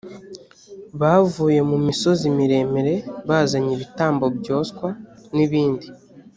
bavuye mu misozi miremire bazanye ibitambo byoswa n’ibindi